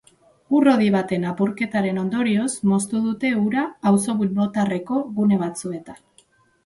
Ur-hodi baten apurketaren ondorioz moztu dute ura auzo bilbotarreko gune batzuetan.